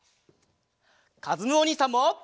かずむおにいさんも！